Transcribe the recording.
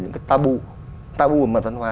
những cái tabu tabu ở mặt văn hoá